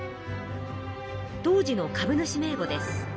当時の株主名簿です。